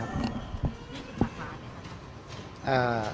๒๐หลักล้านบาทไหมครับ